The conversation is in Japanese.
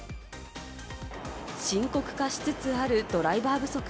深刻化しつつあるドライバー不足。